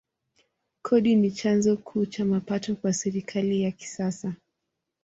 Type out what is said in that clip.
Kodi ni chanzo kuu cha mapato kwa serikali ya kisasa.